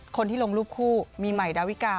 คนที่ลงรูปคู่มีใหม่ดาวิกา